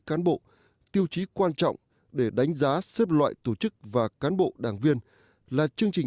cán bộ tiêu chí quan trọng để đánh giá xếp loại tổ chức và cán bộ đảng viên là chương trình